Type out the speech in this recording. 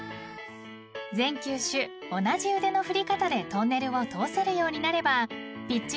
［全球種同じ腕の振り方でトンネルを通せるようになればピッチングの幅がさらに広がるよ］